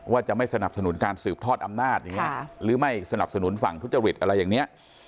ว่าจะไม่สนับสนุนการสืบทอดอำนาจอย่างนี้หรือไม่สนับสนุนฝั่งทุจริตอะไรอย่างนี้